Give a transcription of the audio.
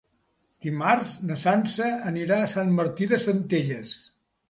Dimarts na Sança anirà a Sant Martí de Centelles.